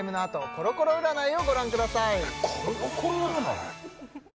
コロコロ占い！？